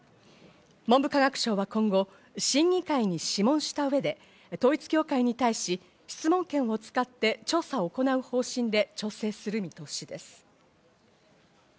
文部科学省は今後、審議会に諮問した上で、統一協会に対し、質問権を使って調査を行う方針で調整する見通しです。